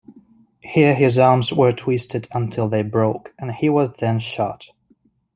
Here his arms were twisted until they broke, and he was then shot.